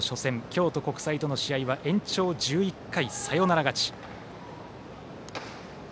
京都国際との試合は延長１１回、サヨナラ勝ち。